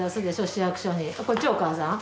市役所にこっちお母さん？